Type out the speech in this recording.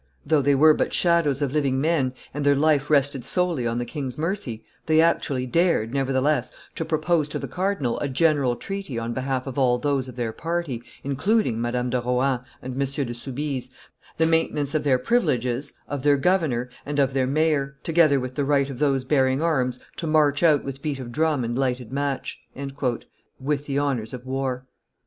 "Though they were but shadows of living men, and their life rested solely on the king's mercy, they actually dared, nevertheless, to propose to the cardinal a general treaty on behalf of all those of their party, including Madame de Rohan and Monsieur de Soubise, the maintenance of their privileges, of their governor, and of their mayor, together with the right of those bearing arms to march out with beat of drum and lighted match" [with the honors of war].